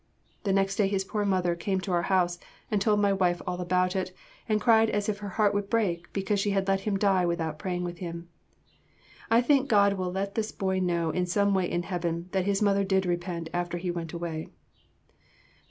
The next day his poor mother came to our house and told my wife all about it and cried as if her heart would break because she had let him die without praying with him. I think God will let this boy know in some way in heaven that his mother did repent after he went away.